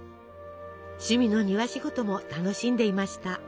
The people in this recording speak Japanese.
趣味の庭仕事も楽しんでいました。